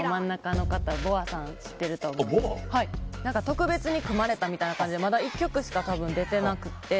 特別に組まれた感じでまだ１曲しか出てなくて。